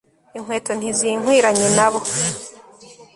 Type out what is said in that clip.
inkweto ntizinkwiranye nabo